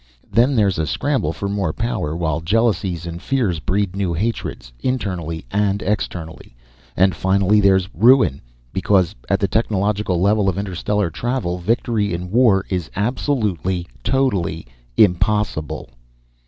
Then there's a scramble for more power, while jealousies and fears breed new hatreds, internally and externally. And finally, there's ruin because at the technological level of interstellar travel, victory in war is absolutely, totally impossible!"